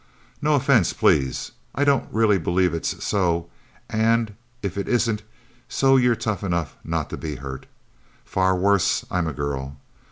No offense, please I don't really believe it's so, and if it isn't so you're tough enough not to be hurt. Far worse I'm a girl.